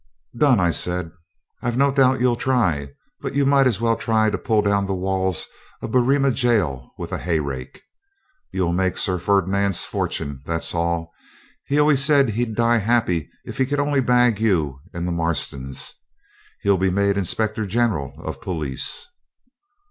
'Done!' I said. 'I've no doubt you'll try; but you might as well try to pull down the walls of Berrima Gaol with a hay rake. You'll make Sir Ferdinand's fortune, that's all. He always said he'd die happy if he could only bag you and the Marstons. He'll be made Inspector General of Police.'